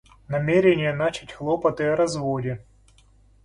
Намерение начать хлопоты о разводе.